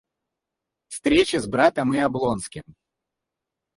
Встреча с братом и Облонским.